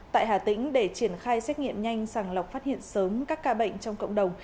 tại hà tĩnh để triển khai xét nghiệm nhanh sàng lọc phát hiện sớm các ca bệnh trong cộng đồng